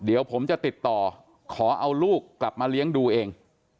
เดี๋ยวผมจะติดต่อขอเอาลูกกลับมาเลี้ยงดูเอง